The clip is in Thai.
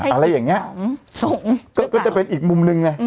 อะไรอย่างเงี้ยสงสงก็จะเป็นอีกมุมนึงน่ะอืม